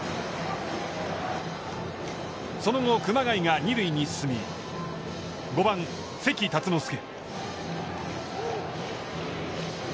その後、熊谷が二塁に進み、５番関辰之助。